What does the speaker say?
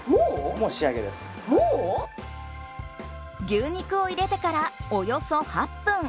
牛肉を入れてからおよそ８分。